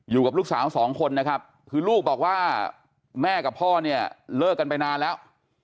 อยู่กับลูกสาวสองคนนะครับคือลูกบอกว่าแม่กับพ่อเนี่ยเลิกกันไปนานแล้ว